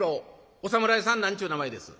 お侍さん何ちゅう名前です？」。